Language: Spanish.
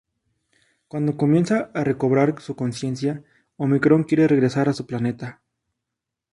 Cuando comienza a recobrar su conciencia, Omicron quiere regresar a su planeta.